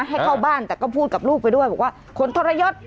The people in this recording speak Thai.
ให้เข้าบ้านแต่ก็พูดกับลูกไปด้วยบอกว่าขนทรยศ